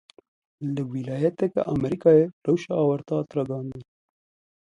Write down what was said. Li wîlayeteke Amerîkayê rewşa awarte hat ragihandin.